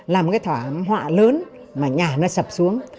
là một cái thảm họa lớn mà nhà nó sập xuống